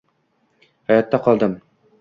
Hayotda qoldim!